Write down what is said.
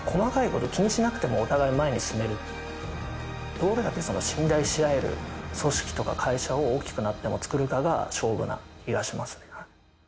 どれだけ信頼しあえる組織とか会社を大きくなっても作るかが勝負な気がしますね。